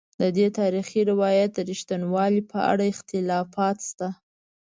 ددې تاریخي روایت د رښتینوالي په اړه اختلافات شته.